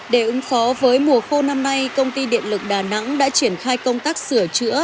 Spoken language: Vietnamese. để ứng phó với mùa khô năm nay công ty điện lực đà nẵng đã triển khai công tác sửa chữa